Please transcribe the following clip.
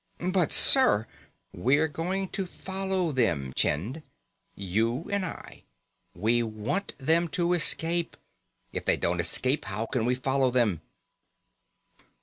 "But sir " "We're going to follow them, Chind. You and I. We want them to escape. If they don't escape, how can we follow them?"